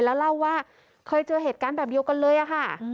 แล้วเล่าว่าเคยเจอเหตุการณ์แบบเดียวกันเลยอะค่ะ